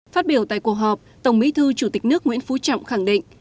phát biểu tại cuộc họp tổng bí thư chủ tịch nước nguyễn phú trọng khẳng định